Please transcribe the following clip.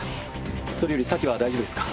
それより早紀は大丈夫ですか？